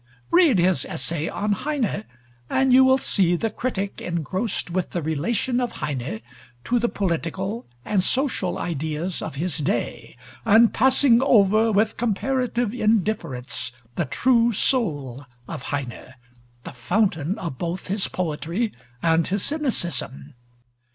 Read his essay on Heine, and you will see the critic engrossed with the relation of Heine to the political and social ideas of his day, and passing over with comparative indifference the true soul of Heine, the fountain of both his poetry and his cynicism.